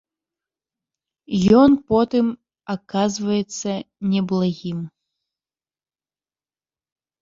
Ён потым аказваецца неблагім.